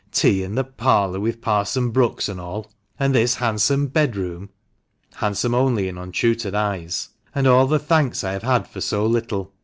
Tea in the parlour with Parson Brookes and all! And this handsome bed room [handsome only in untutored eyes]. And all the thanks I have had for so little.